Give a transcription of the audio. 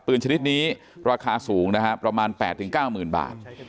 ปืนชนิดนี้ราคาสูงนะฮะประมาณแปดถึงเก้ามือนบาท